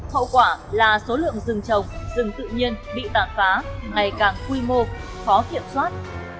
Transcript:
hậu quả là số lượng rừng trồng rừng tự nhiên bị tàn phá ngày càng quy mô khó kiểm soát